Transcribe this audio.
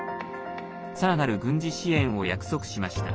さらなる軍事支援を約束しました。